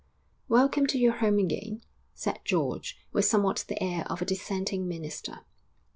'Welcome to your home again,' said George, with somewhat the air of a dissenting minister.